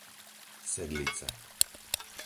Sedlice